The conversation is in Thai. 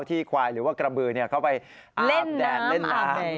ที่ควายหรือว่ากระบือเข้าไปอาบแดงหรืออาบดิน